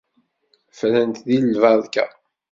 Ffrent deg lberka.